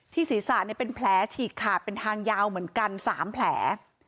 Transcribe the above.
ศีรษะเป็นแผลฉีกขาดเป็นทางยาวเหมือนกัน๓แผล